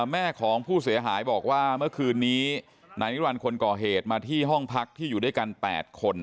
แม่ของผู้เสียหายบอกว่าเมื่อคืนนี้นายนิรันดิ์คนก่อเหตุมาที่ห้องพักที่อยู่ด้วยกัน๘คน